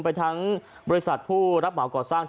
ไปทั้งบริษัทผู้รับเหมาก่อสร้าง